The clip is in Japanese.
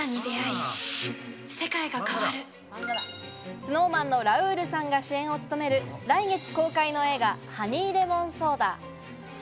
ＳｎｏｗＭａｎのラウールさんが主演を務める来月公開の映画『ハニーレモンソーダ』。